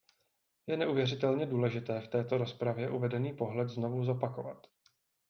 Je neuvěřitelně důležité v této rozpravě uvedený pohled znovu zopakovat.